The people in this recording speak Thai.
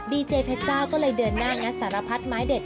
ดีเจเพชรเจ้าก็เลยเดินหน้างัดสารพัดไม้เด็ด